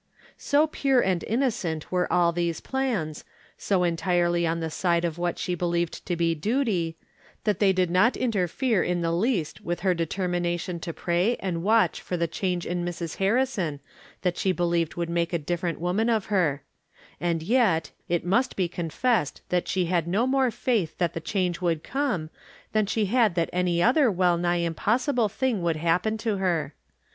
So pure and innocent were all these plans ; so entirely on the side of what she believed to be duty, that they did not interfere in the least with her determination to pray and watch for the change in Mrs. Harrison, that she believed would make a different woman of her ; and yet, it must be confessed, that she had no more faith that the change would come, than she had that any other weU nigh impossible thing would happen to her.